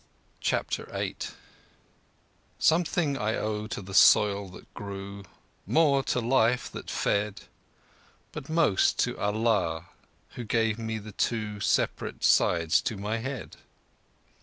CHAPTER VIII Something I owe to the soil that grew— More to the life that fed— But most to Allah Who gave me two Separate sides to my head.